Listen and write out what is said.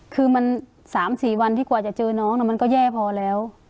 คือมัน๓๔วันที่กว่าจะเจอน้องมันก็แย่พอแล้ว